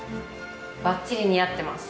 ばっちり似合ってます。